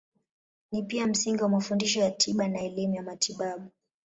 Ni pia msingi wa mafundisho ya tiba na elimu ya matibabu.